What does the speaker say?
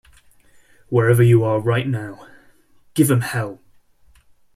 Wherever you are right now, give 'em hell.